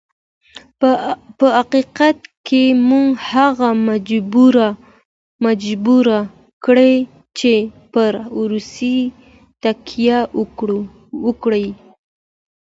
په حقیقت کې موږ هغه مجبور کړ چې پر روسیې تکیه وکړي.